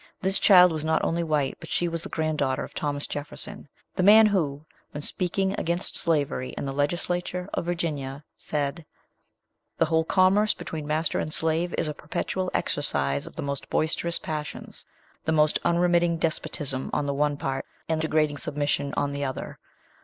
This child was not only white, but she was the granddaughter of Thomas Jefferson, the man who, when speaking against slavery in the legislature of Virginia, said, "The whole commerce between master and slave is a perpetual exercise of the most boisterous passions; the most unremitting despotism on the one part, and degrading submission on the other.